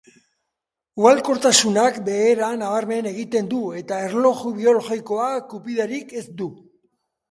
Ugalkortasunak behera nabarmen egiten du eta erloju biologikoak kupidarik ez du.